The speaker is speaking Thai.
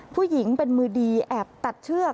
ผู้หญิงเป็นมือดีแอบตัดเชือก